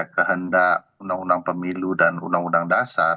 kehendak undang undang pemilu dan undang undang dasar